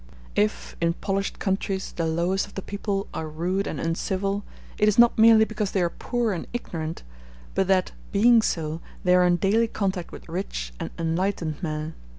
If, in polished countries, the lowest of the people are rude and uncivil, it is not merely because they are poor and ignorant, but that, being so, they are in daily contact with rich and enlightened men.